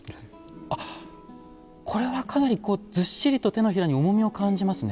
あっこれはかなりずっしりと手のひらに重みを感じますね。